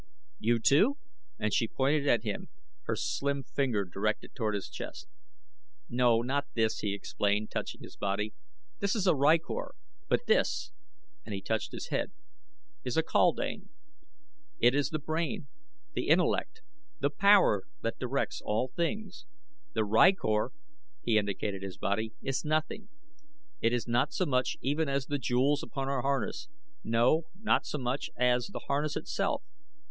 "You, too?" and she pointed at him, her slim finger directed toward his chest. "No, not this," he explained, touching his body; "this is a rykor; but this," and he touched his head, "is a kaldane. It is the brain, the intellect, the power that directs all things. The rykor," he indicated his body, "is nothing. It is not so much even as the jewels upon our harness; no, not so much as the harness itself.